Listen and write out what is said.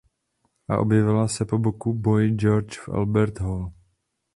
A objevila se po boku Boy George v Albert Hall.